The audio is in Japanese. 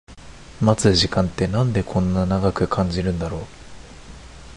待つ時間ってなんでこんな長く感じるんだろう